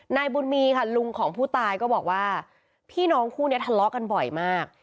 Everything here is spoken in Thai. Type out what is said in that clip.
นายบุญมีค่ะลุงของผู้ตายก็บอกว่าพี่น้องคู่นี้ทะเลาะกันบ่อยมาก